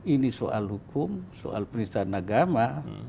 ini soal hukum soal perintah dan agama